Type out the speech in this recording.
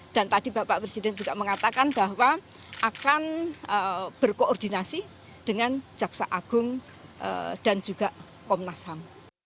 dan tadi bapak presiden juga mengatakan bahwa akan berkoordinasi dengan jaksa agung dan juga komnas ham